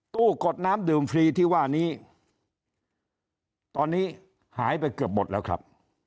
กดน้ำดื่มฟรีที่ว่านี้ตอนนี้หายไปเกือบหมดแล้วครับ